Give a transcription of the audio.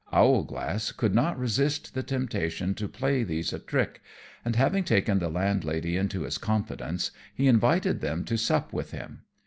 Owlglass could not resist the temptation to play these a trick; and, having taken the landlady into his confidence, he invited them to sup with him.